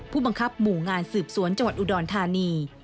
ผู้บังคับหมู่งานสืบสวนจังหวัดอุดรธานี